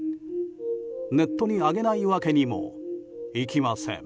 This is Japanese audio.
ネットに上げないわけにもいきません。